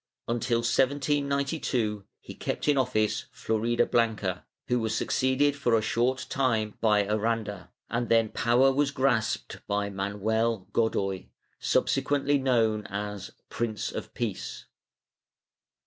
Until 1792 he kept in office Floridablanca, who was succeeded for a short time by Aranda, and then power was grasped by Manuel Godoy, subsequently known as Prince of Peace.